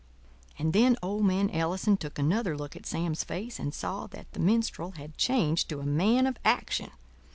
And then old man Ellison took another look at Sam's face and saw that the minstrel had changed to the man of action.